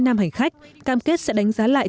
nam hành khách cam kết sẽ đánh giá lại